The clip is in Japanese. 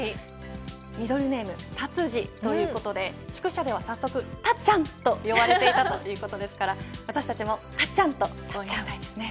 ミドルネームタツジということで宿舎では早速、たっちゃんと呼ばれていたということですから私たちもたっちゃんと楽しみたいですね。